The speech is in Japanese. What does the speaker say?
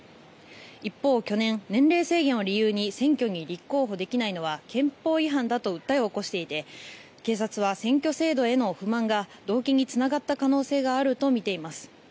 一方、去年、年齢制限を理由に選挙に立候補できないのは憲法違反だと訴えを起こしていて警察は選挙制度への不満が動機につながった可能性があるとみています。